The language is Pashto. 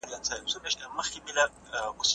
د تاريخ فلسفې کوم مفاهيم رامنځته کړل؟